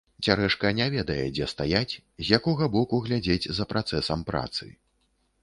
Цярэшка не ведае, дзе стаяць, з якога боку глядзець за працэсам працы.